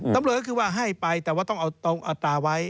ตำรวจก็คือว่าให้ไปแต่ว่าต้องเอาตรงอัตราไว้